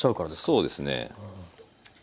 そうですね。